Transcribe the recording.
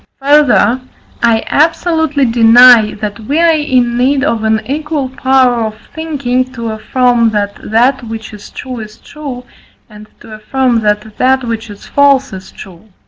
Further, I absolutely deny, that we are in need of an equal power of thinking, to affirm that that which is true is true, and to affirm that that which is false is true.